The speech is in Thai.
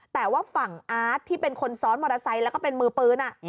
แต่ว่าฝั่งอาร์ตที่เป็นคนซ้อนมอเตอร์ไซค์แล้วก็เป็นมือปืน